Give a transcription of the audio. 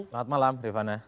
selamat malam devana